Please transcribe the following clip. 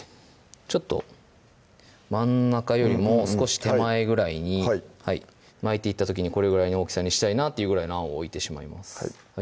ちょっと真ん中よりも少し手前ぐらいに巻いていった時にこれぐらいの大きさにしたいなっていうぐらいのあんを置いてしまいます